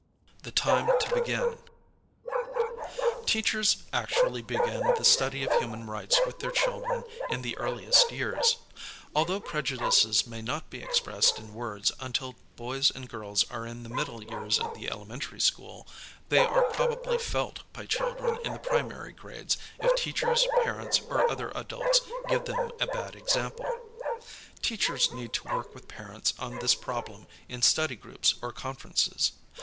THE TIME TO BEGIN Teachers actually begin the study of human rights with their children in the earliest years. Although prejudices may not be expressed in words until boys and girls are in the middle years of the elementary school, they are probably felt by children in the primary grades if teachers, parents, or other adults give them a bad example. Teachers need to work with parents on this problem in study groups or conferences.